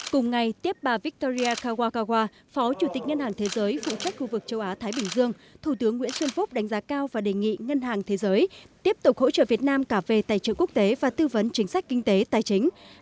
cùng ngày tiếp bà victoria kawakawa phó chủ tịch ngân hàng thế giới phụ trách khu vực châu á thái bình dương thủ tướng nguyễn xuân phúc đánh giá cao và đề nghị ngân hàng thế giới tiếp tục hỗ trợ việt nam cả về tài trợ quốc tế và tư vấn chính sách kinh tế tài chính